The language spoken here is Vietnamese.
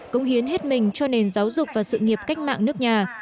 đối với mình cho nền giáo dục và sự nghiệp cách mạng nước nhà